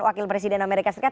wakil presiden amerika serikat